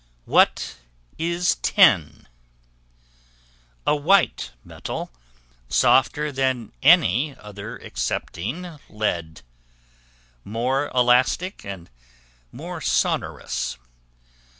What is Tin? A white metal, softer than any other excepting lead, more elastic, and more sonorous.